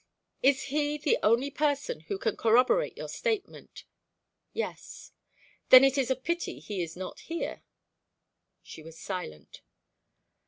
"Is he the only person who can corroborate your statement?" "Yes." "Then it is a pity he is not here." She was silent.